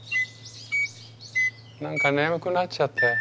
何か眠くなっちゃったよ。